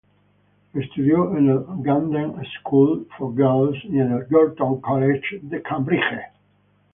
Estudió en el Camden School for Girls y en el Girton College de Cambridge.